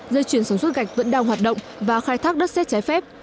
dây chuyển sản xuất gạch vẫn đang hoạt động và khai thác đất xét trái phép